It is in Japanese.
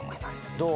どう？